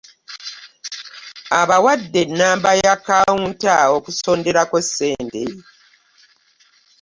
Abawadde ennamba ya akawunta okusonderako ssente.